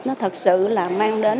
nó thật sự là mang đến